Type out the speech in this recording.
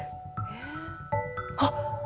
あっ！